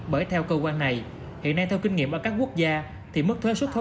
bởi theo cơ quan này hiện nay theo kinh nghiệm ở các quốc gia thì mức thuế suốt thuế